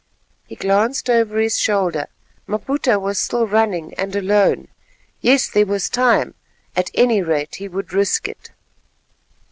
He glanced over his shoulder; Maputa was still running, and alone. Yes, there was time; at any rate he would risk it.